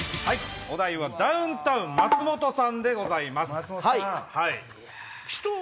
お題はダウンタウン松本さんでございます。